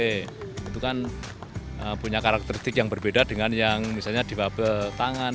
itu kan punya karakteristik yang berbeda dengan yang misalnya di fabel tangan